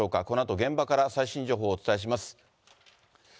このあと、現場から最新情報をお伝えします。